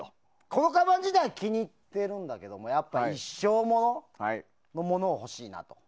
このカバン自体気に入ってるんだけどやっぱり一生モノのものが欲しいなと。